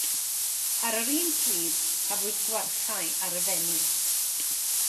Ar yr un pryd, cafwyd gwarchae ar y Fenni.